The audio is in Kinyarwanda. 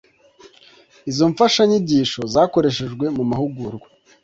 izo mfashanyigisho zakoreshejwe mu mahugurwa